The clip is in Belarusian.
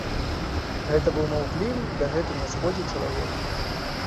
Гэта быў маўклівы дагэтуль на сходзе чалавек.